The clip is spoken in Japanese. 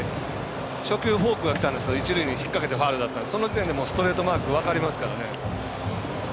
初球フォークがきたんですけど一塁に引っ掛けてファウルでその時点でストレートマーク分かりますからね。